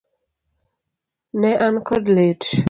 Ne an kod lit.